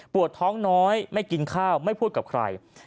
ท้องน้อยไม่กินข้าวไม่พูดกับใคร